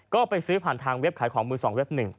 ก็ไปซื้อผ่านทางเว็บขายของมือ๒เว็บ๑